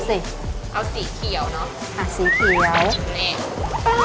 เอาสีเขียว